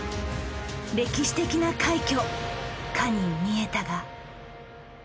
歴史的な快挙かに見えたが。